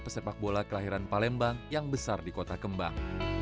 pesepak bola kelahiran palembang yang besar di kota kembang